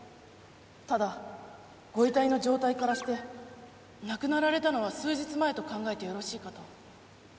ただご遺体の状態からして亡くなられたのは数日前と考えてよろしいかと。